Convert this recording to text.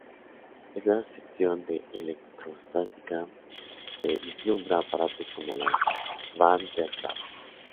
En la sección de electrostática se vislumbra aparatos como la Van Der Graaff.